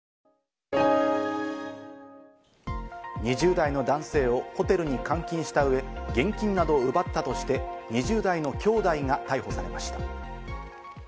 ２０代の男性をホテルに監禁した上、現金などを奪ったとして、２０代の兄弟が逮捕されました。